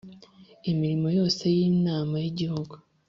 imirimo yose y’Inama y’igihugu